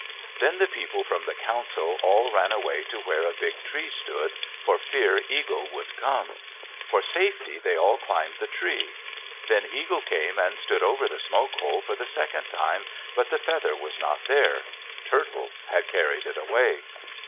Then the people from the council all ran away to where a big tree stood, for fear Eagle would come. For safety they all climbed the tree. Then Eagle came and stood over the smoke hole for the second time, but the feather was not there. Turtle had carried it away.